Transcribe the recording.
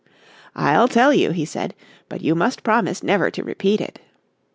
"I'll tell you," he said, "but you must promise never to repeat it."